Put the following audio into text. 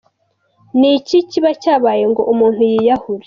Ni iki kiba cyabaye ngo umuntu yiyahure?.